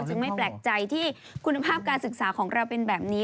ไม่แปลกใจที่คุณภาพการศึกษาของเราเป็นแบบนี้